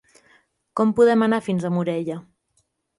Com podem anar fins a Morella?